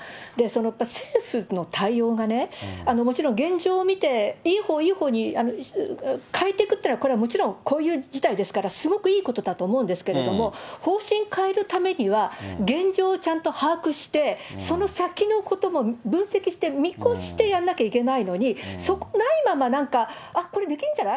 やっぱり政府の対応がね、もちろん現状を見て、いいほういいほうに変えていくというのは、これはもちろん、こういう事態ですからすごくいいことだと思うんですけれども、方針変えるためには、現状をちゃんと把握して、その先のことも分析して、見越してやんなきゃいけないのに、そこないまま、あっ、これできるんじゃない？